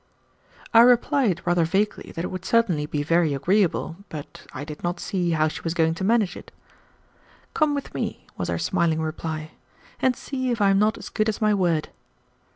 I replied, rather vaguely, that it would certainly be very agreeable, but I did not see how she was going to manage it. "Come with me," was her smiling reply, "and see if I am not as good as my word."